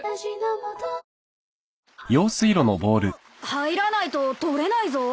入らないと取れないぞ。